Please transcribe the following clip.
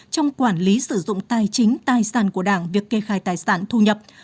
trong quản lý sử dụng tài chính tài sản của đảng việc kê khai tài sản thu nhập